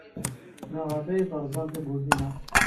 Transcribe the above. Maɣef ay terẓem tawwurt-inna?